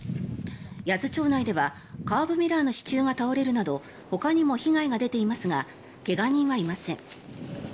八頭町内ではカーブミラーの支柱が倒れるなどほかにも被害が出ていますが怪我人はいません。